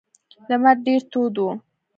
لمر ډیر تود و.